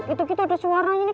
itu kita ada suaranya nih